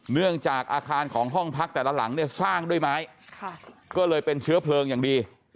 เนื่องจากอาคารของห้องพักแต่ละหลังเนี่ยสร้างด้วยไม้ก็เลยเป็นเชื้อเพลิงอย่างดี